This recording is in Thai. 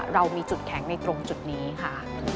เรามีจุดแข็งในตรงจุดนี้ค่ะ